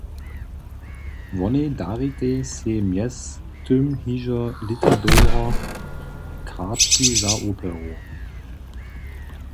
Wonej daritej sej mjez tym hižo lěta dołho kartki za operu.